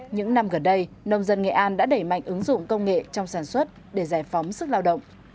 những năm gần đây nông dân nghệ an đã đẩy mạnh ứng dụng công nghệ trong sản xuất để giải phóng sức lao động